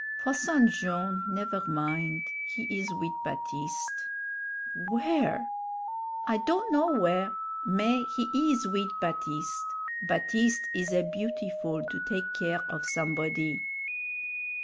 "Posson Jone', never min'; he is wid Baptiste." "Where?" "I don' know w'ere mais he is wid Baptiste. Baptiste is a beautiful to take care of somebody."